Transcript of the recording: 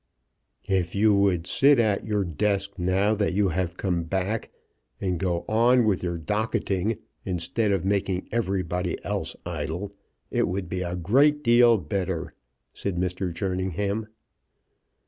"If you would sit at your desk now that you have come back, and go on with your docketing, instead of making everybody else idle, it would be a great deal better," said Mr. Jerningham.